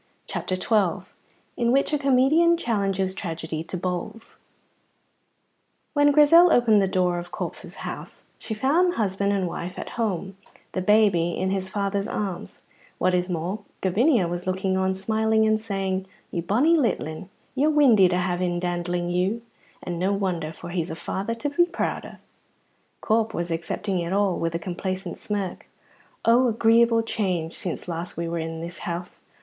CHAPTER XII IN WHICH A COMEDIAN CHALLENGES TRAGEDY TO BOWLS When Grizel opened the door of Corp's house she found husband and wife at home, the baby in his father's arms; what is more, Gavinia was looking on smiling and saying, "You bonny litlin, you're windy to have him dandling you; and no wonder, for he's a father to be proud o'." Corp was accepting it all with a complacent smirk. Oh, agreeable change since last we were in this house!